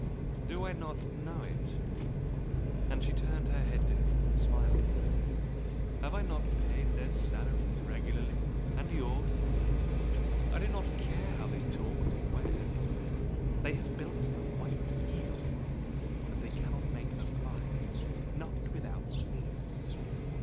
"Do I not know it?" And she turned her head to him, smiling, "Have I not paid their salaries regularly? and yours? I do not care how they talk or where, they have built the White Eagle, but they cannot make her fly! not without ME!